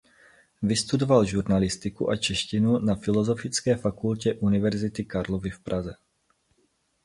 Vystudoval žurnalistiku a češtinu na Filosofické fakultě University Karlovy v Praze.